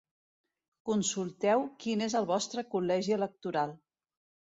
Consulteu quin és el vostre col·legi electoral.